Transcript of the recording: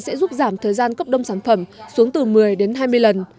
sẽ giúp giảm thời gian cấp đông sản phẩm xuống từ một mươi đến hai mươi lần